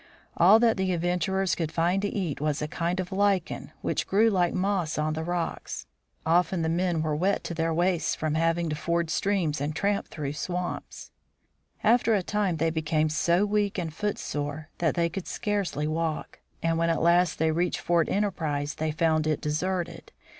All that the adventurers could find to eat was a kind of lichen, which grew like moss on the rocks. Often the men were wet to their waists from having to ford streams and tramp through swamps. After a time they became so weak and footsore that they could scarcely walk, and when at last they reached Fort Enterprise they found it deserted.